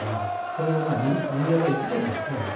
それを人形が一回転するんですけどね。